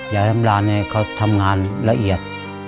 ยายทำร้านทำงานละเอียด